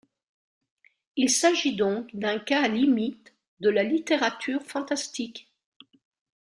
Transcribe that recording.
Il s'agit donc d'un cas limite de la littérature fantastique.